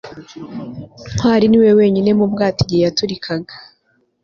ntwali niwe wenyine mu bwato igihe yaturikaga